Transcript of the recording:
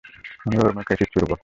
আমরা ওর মুখে এসিড ছুঁড়বো।